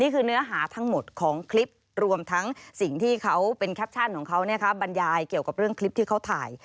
เกี่ยวกับเรื่องคลิปที่เขาถ่าย